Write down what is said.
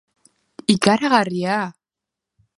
Ikaragarria!